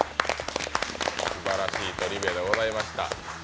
すばらしいトリビアでございました。